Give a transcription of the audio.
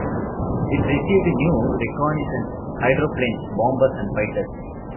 It received new reconnaissance hydroplanes, bombers, and fighters.